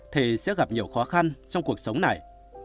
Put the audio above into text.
thì sẽ gặp nhiều khó khăn trong cuộc sống này